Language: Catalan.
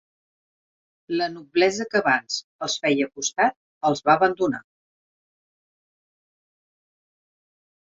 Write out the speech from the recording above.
La noblesa que abans els feia costat els va abandonar.